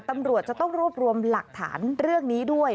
ตำรวจจะต้องรวบรวมหลักฐานเรื่องนี้ด้วย